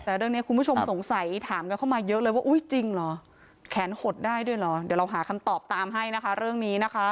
แต่เรื่องนี้คุณผู้ชมสงสัยถามกันเข้ามาเยอะเลยว่าอุ้ยจริงเหรอแขนหดได้ด้วยเหรอเดี๋ยวเราหาคำตอบตามให้นะคะเรื่องนี้นะคะ